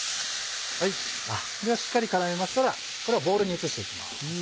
ではしっかり絡めましたらこれをボウルに移していきます。